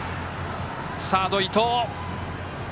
サード、伊藤。